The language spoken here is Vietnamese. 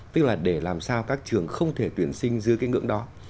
tức là để làm sao các trường không thể tuyển sinh dưới cái ngưỡng đó